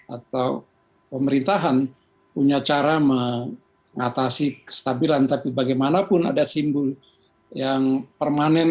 atau pemerintahan punya cara mengatasi kestabilan tapi bagaimanapun ada simbol yang permanen